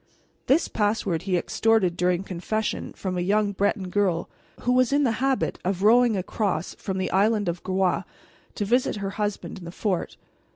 This password he extorted during confession from a young Breton girl who was in the habit of rowing across from the island of Groix to visit her husband in the fort.